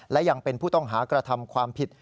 และยังเป็นผู้ต้องหากระทำความผิด